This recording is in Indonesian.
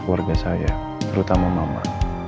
keluarga saya terutama mama